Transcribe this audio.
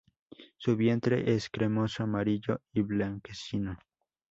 Su vientre es cremoso, amarillo y blanquecino.